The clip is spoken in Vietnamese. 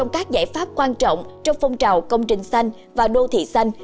công trào công trình xanh và đô thị xanh